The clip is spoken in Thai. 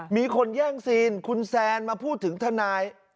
มีคนแย่งซีนคุณแซนมาพูดถึงทนาย